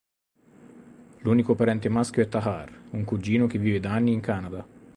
L'unico parente maschio è Tahar, un cugino che vive da anni in Canada.